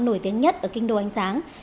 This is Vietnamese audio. nổi tiếng nhất ở kinh đồ ánh sáng